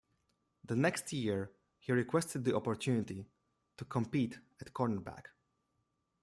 The next year he requested the opportunity to compete at cornerback.